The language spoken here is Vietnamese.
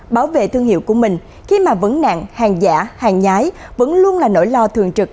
bảo vệ thương hiệu của mình khi mà vấn nạn hàng giả hàng nhái vẫn luôn là nỗi lo thường trực